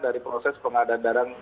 dari proses pengadandanan